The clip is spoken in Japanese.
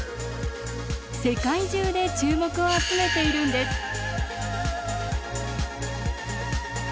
世界中で注目を集めているんです。